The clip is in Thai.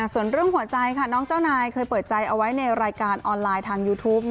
ส่วนเรื่องหัวใจค่ะน้องเจ้านายเคยเปิดใจเอาไว้ในรายการออนไลน์ทางยูทูป